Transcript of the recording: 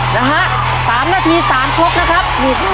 นะฮะ๓นาที๓ชกนะครับ